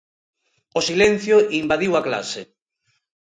O silencio invadiu a clase.